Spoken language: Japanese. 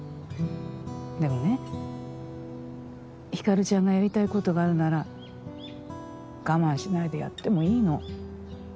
でもねひかるちゃんがやりたいことがあるなら我慢しないでやってもいいの。